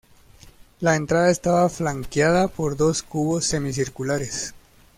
La entrada estaba flanqueada por dos cubos semicirculares.